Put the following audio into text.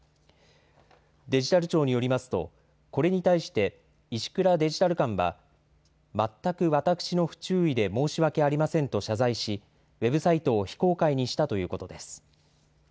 デジタル庁によりますと、これに対して石倉デジタル監は、全く私の不注意で申し訳ありませんと謝罪し、ウェブサイトを非公開にしたということです。